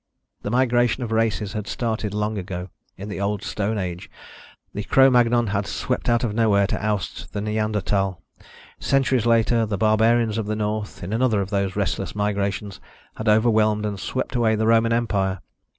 The migration of races had started long ago. In the Old Stone Age, the Cro Magnon had swept out of nowhere to oust the Neanderthal. Centuries later the barbarians of the north, in another of those restless migrations, had overwhelmed and swept away the Roman Empire.